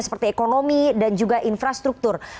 seperti ekonomi dan juga infrastruktur